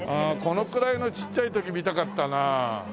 このくらいのちっちゃい時見たかったなあ。